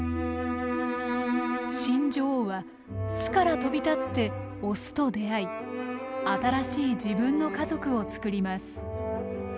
新女王は巣から飛び立ってオスと出会い新しい自分の家族を作ります。